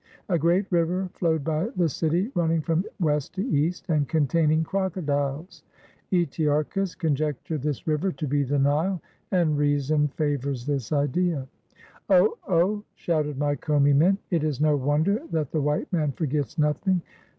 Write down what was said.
A great river flowed by the city, running from west to east, and containing crocodiles. Etearchus conjectured this river to be the Nile, and reason favors this idea.'" " Oh ! oh !" shouted my Commi men. " It is no wonder that the w^hite man forgets nothing.